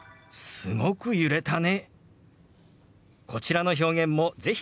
「すごく揺れたね」。